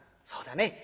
「そうだね。